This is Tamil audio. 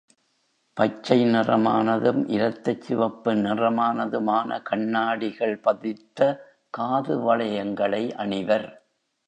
பச்சை நிறமானதும், இரத்தச் சிவப்பு நிறமானதுமான கண்ணாடிகள் பதித்த காது வளையங்களை அணிவர்.